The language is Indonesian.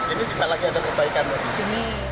ini juga lagi ada kebaikan